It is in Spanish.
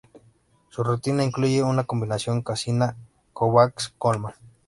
Su rutina incluye una combinación Cassina-Kovacs-Kolman.